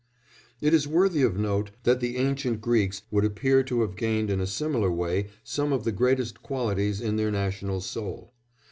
It is worthy of note that the ancient Greeks would appear to have gained in a similar way some of the greatest qualities in their national soul.